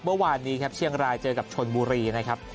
เมื่อวานนี้ครับเชียงรายเจอกับชนบุรีนะครับ